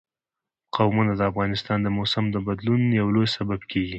قومونه د افغانستان د موسم د بدلون یو لوی سبب کېږي.